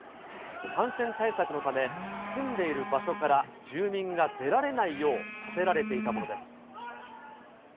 感染対策のため、住んでいる場所から住民が出られないよう立てられていたものです。